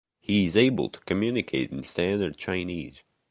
He is able to communicate in Standard Chinese.